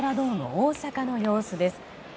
大阪の様子です。